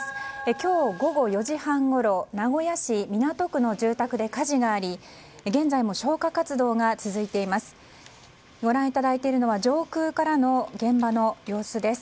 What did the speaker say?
今日午後４時半ごろ名古屋市港区の住宅で火事があり現在も消火活動が続いています。